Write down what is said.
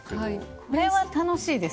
これは楽しいですね。